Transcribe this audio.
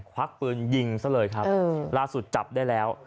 ควักปืนยิงซะเลยครับล่าสุดจับได้แล้ว